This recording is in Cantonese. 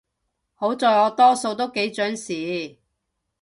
好在我多數都幾準時